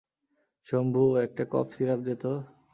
শম্ভু, একটা cough syrup দে তো।